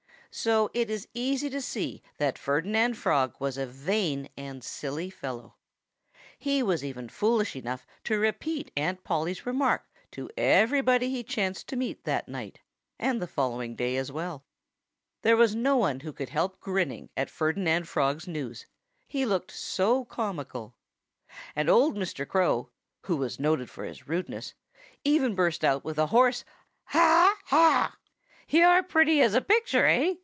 So it is easy to see that Ferdinand Frog was a vain and silly fellow. He was even foolish enough to repeat Aunt Polly's remark to everybody he chanced to meet that night, and the following day as well. There was no one who could help grinning at Ferdinand Frog's news he looked so comical. And old Mr. Crow, who was noted for his rudeness, even burst out with a hoarse haw haw. "You're pretty as a picture, eh?"